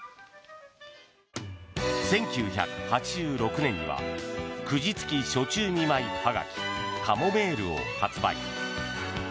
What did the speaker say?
１９８６年にはくじ付き暑中見舞いはがきかもめるを発売。